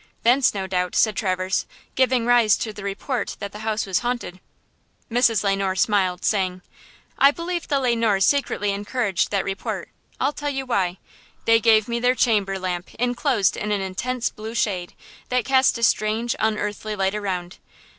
"Thence, no doubt," said Traverse, "giving rise to the report that the house was haunted." Mrs. Le Noir smiled, saying: "I believe the Le Noirs secretly encouraged that report. I'll tell you why. They gave me a chamber lamp inclosed in an intense blue shade, that cast a strange, unearthly light around.